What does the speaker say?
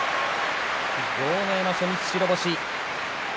豪ノ山、初日白星。